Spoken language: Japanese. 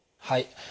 はい。